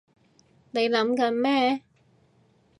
你諗緊咩？